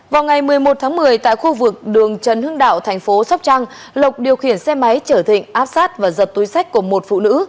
vào ngày một mươi một tháng một mươi tại khu vực đường trần hương đạo tp sóc trăng lộc điều khiển xe máy trở thịnh áp sát và giật túi sách của một phụ nữ